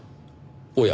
おや。